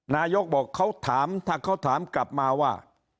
นายกบอกเขาถามถ้าเขาถามกลับมาว่า